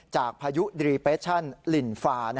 พายุดีเปชั่นลินฟา